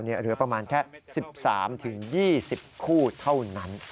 เหลือประมาณแค่๑๓๒๐คู่เท่านั้น